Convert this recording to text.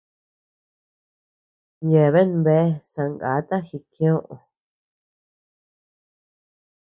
Yeabean bea zangáta jikioʼö.